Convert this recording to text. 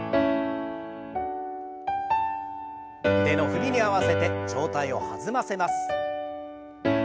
腕の振りに合わせて上体を弾ませます。